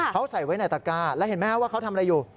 เขาใส่ไว้ในตระก้าแล้วเห็นไหมว่าเขาทำอะไรอยู่